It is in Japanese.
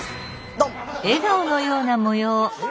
ドン。